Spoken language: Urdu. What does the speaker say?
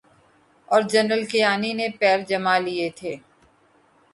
اورجنرل کیانی نے پیر جمالیے تھے۔